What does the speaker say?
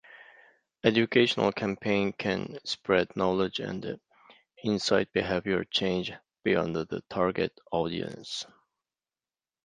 Educational campaigns can spread knowledge and incite behavior change beyond the target audience.